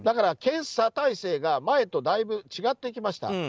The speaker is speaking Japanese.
検査体制が前とだいぶ違ってきました。